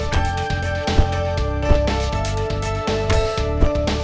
harus beneran lah ayo